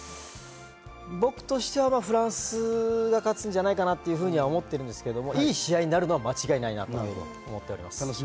僕としてはフランスが勝つんじゃないかなというふうには思ってるんですけど、いい試合になるのは間違いないなと思っております。